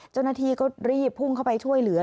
เจ้าหน้าที่ก็รีบพุ่งเข้าไปช่วยเหลือ